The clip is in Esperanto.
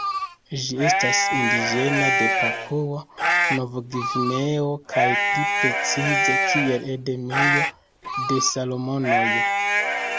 Ĝi estas indiĝena de Papuo-Novgvineo kaj pli precize kiel endemio de Salomonoj.